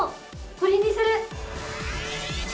これにする！